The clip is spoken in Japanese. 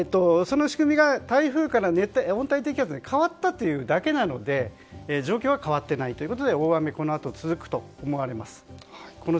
台風から温帯低気圧に変わったというだけなので状況は変わっていないということでこのあと大雨、続くと思われます。